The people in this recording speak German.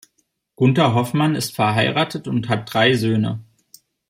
Gunter Hofmann ist verheiratet und hat drei Söhne.